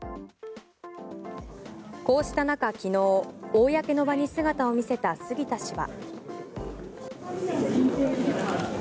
こうした中、昨日公の場に姿を見せた杉田氏は。